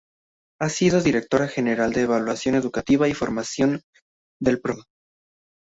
Ha sido Directora General de Evaluación Educativa y Formación del Profesorado.